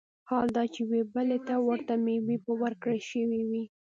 حال دا چي يوې بلي ته ورته مېوې به وركړى شوې وي